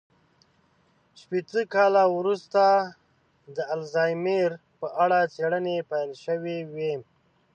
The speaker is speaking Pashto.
شپېته کاله وروسته د الزایمر په اړه څېړنې پيل شوې وې.